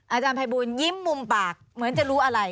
อาจารย์ภัยบูลยิ้มมุมปากเหมือนจะรู้อะไร